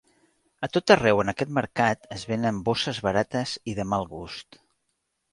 A tot arreu en aquest mercat es venen bosses barates i de mal gust.